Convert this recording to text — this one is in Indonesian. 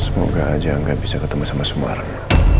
semoga aja enggak bisa ketemu sama sumarno